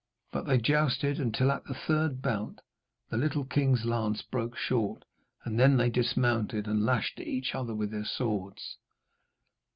But they jousted until at the third bout the little king's lance broke short, and then they dismounted, and lashed at each other with their swords.